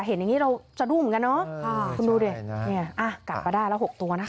เห็นอย่างนี้เราจะรุ่มกันเนาะคุณดูดิอ่ะกลับมาได้แล้ว๖ตัวนะคะ